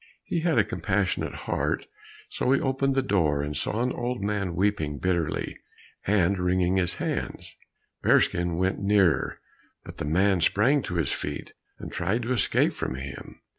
He had a compassionate heart, so he opened the door, and saw an old man weeping bitterly, and wringing his hands. Bearskin went nearer, but the man sprang to his feet and tried to escape from him.